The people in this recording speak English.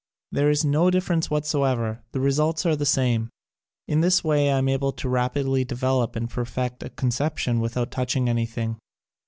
There isi no difference whatever, the results are the same. In this way I am able to rapidly develop and per fect a conception without touching any thing.